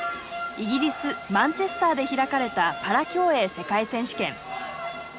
イギリス・マンチェスターで開かれたパラ競泳世界選手権。